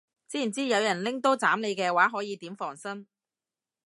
知唔知有人拎刀斬你嘅話可以點防身